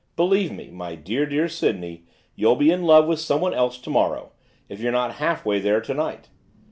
Believe me, my dear, dear Sydney, you'll be in love with someone else to morrow, if you're not half way there to night.